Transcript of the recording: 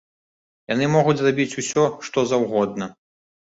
Яны могуць зрабіць усё, што заўгодна.